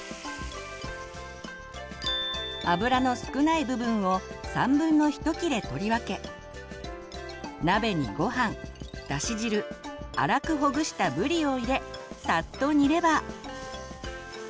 脂の少ない部分を1/3切れとりわけ鍋にごはんだし汁粗くほぐしたぶりを入れサッと煮れば。